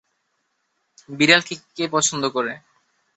বিড়াল কে পছন্দ করে?